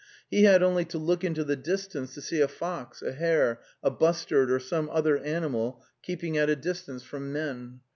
He had only to look into the distance to see a fox, a hare, a bustard, or some other animal keeping at a distance from men.